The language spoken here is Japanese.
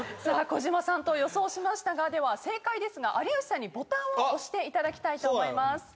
さあ児嶋さんと予想しましたがでは正解ですが有吉さんにボタンを押していただきたいと思います。